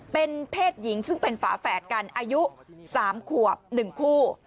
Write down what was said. เป็นเพศหญิงซึ่งเป็นฝาแฝดกันอายุ๓ขวบ๑คู่